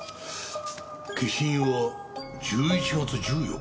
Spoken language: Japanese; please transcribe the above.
消印は１１月１４日。